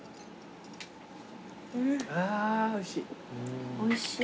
あぁーおいしい。